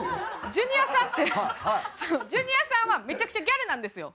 ジュニアさんってジュニアさんはめちゃくちゃギャルなんですよ。